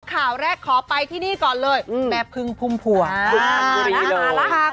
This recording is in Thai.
ข่าวแรกขอไปที่นี่ก่อนเลยแม่พึงภูมิผ่วง